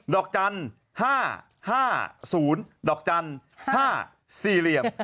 ดอกจันทร์๕๕๐ดอกจันทร์๕๔เหลี่ยม